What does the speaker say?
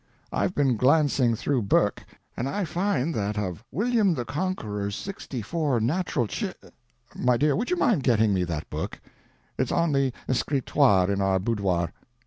I've been glancing through Burke, and I find that of William the Conqueror's sixty four natural ch—my dear, would you mind getting me that book? It's on the escritoire in our boudoir.